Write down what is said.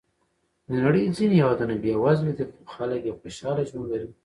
د نړۍ ځینې هېوادونه بېوزله دي، خو خلک یې خوشحاله ژوند لري.